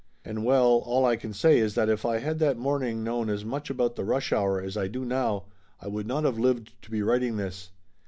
And well, all I can say is that if I had that morning known as much about the rush hour as I do now I would not of lived to be writing this!